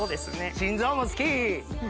心臓も好き！